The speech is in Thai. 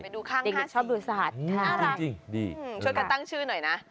ไปดูค้างสิอรับจริงดีช่วยกันตั้งชื่อหน่อยนะ